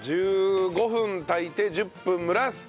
１５分炊いて１０分蒸らす。